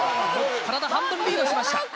体半分リードしました。